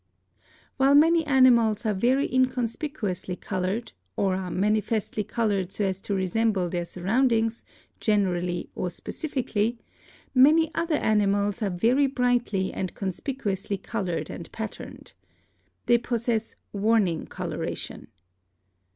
While many animals are very inconspicuously colored, or are manifestly colored so as to resemble their surround ings, generally or specifically, many other animals are very brightly and conspicuously colored and patterned. They possess warning coloration.